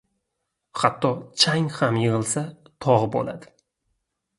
• Hatto chang ham yig‘ilsa tog‘ bo‘ladi.